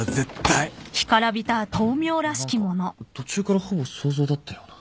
何か途中からほぼ想像だったような。